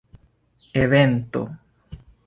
evento